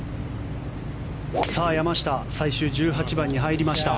山下最終１８番に入りました。